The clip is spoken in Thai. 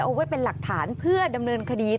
เอาไว้เป็นหลักฐานเพื่อดำเนินคดี